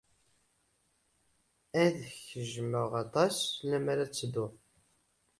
Ad k-jjmeɣ aṭas lemmer ad tedduḍ.